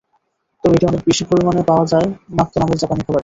তবে এটি অনেক বেশি পরিমাণে পাওয়া যায় নাত্তো নামের জাপানি খাবারে।